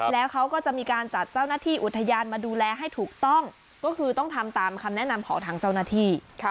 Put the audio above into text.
แล้วเขาก็จะมีการจัดเจ้าหน้าที่อุทยานมาดูแลให้ถูกต้องก็คือต้องทำตามคำแนะนำของทางเจ้าหน้าที่